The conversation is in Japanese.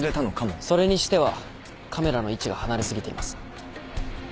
それにしてはカメラの位置が離れ過ぎています。